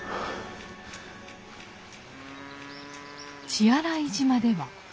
血洗島では。